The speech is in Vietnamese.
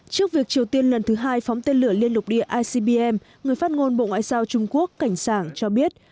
trước việc triều tiên lần thứ hai phóng tên lửa liên lục địa icbm người phát ngôn bộ ngoại giao trung quốc cảnh sảng cho biết